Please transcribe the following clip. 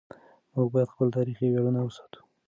موږ باید خپل تاریخي ویاړونه وساتو.